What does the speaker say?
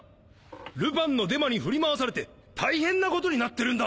ルパンのデマに振り回されて大変なことになってるんだ！